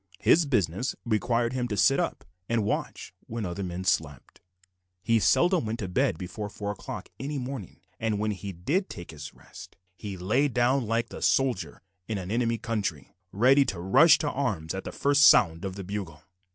His business required him to sit up and watch when other men slept. He seldom went to bed before four o'clock any morning, and when he did take his rest he lay down like the soldier in an enemy's country, ready to rush to arms at the first sound of the bugle.